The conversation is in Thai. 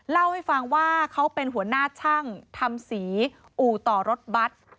เล่าให้ฟังว่าเขาเป็นหัวหน้าช่างทำสีอู่ต่อรถบัตร